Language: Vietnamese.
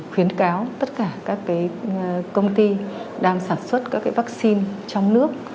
khuyến cáo tất cả các cái công ty đang sản xuất các cái vaccine trong nước